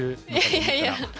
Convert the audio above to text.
いやいや。